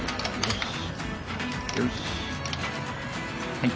はい。